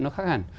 nó khác hẳn